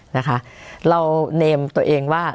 นะคะเราเนมตัวเองว่า